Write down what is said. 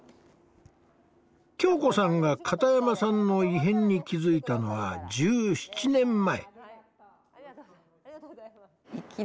恭子さんが片山さんの異変に気付いたのは１７年前。